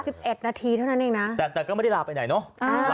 สิบเอ็ดนาทีเท่านั้นเองนะแต่แต่ก็ไม่ได้ลาไปไหนเนอะอ่า